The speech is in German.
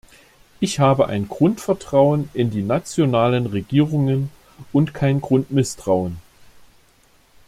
Ich habe ein Grundvertrauen in die nationalen Regierungen, und kein Grundmisstrauen.